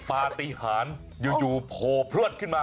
ปฏิหารอยู่โพรพรวชขึ้นมา